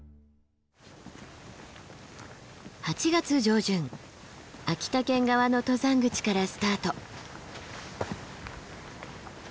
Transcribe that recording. ８月上旬秋田県側の登山口からスタート。